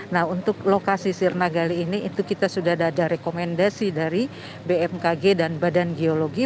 nah untuk lokasi sirna gali ini itu kita sudah ada rekomendasi dari bmkg dan badan geologi